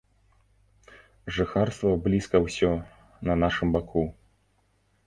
Жыхарства блізка ўсё на нашым баку.